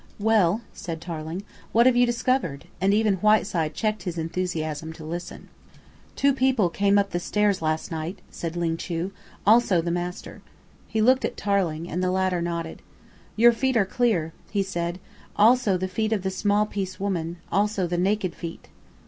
"Well," said Tarling, "what have you discovered?" and even Whiteside checked his enthusiasm to listen. "Two people came up the stairs last night," said Ling Chu, "also the master." He looked at Tarling, and the latter nodded. "Your feet are clear," he said; "also the feet of the small piece woman; also the naked feet."